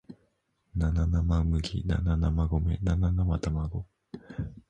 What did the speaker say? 七生麦七生米七生卵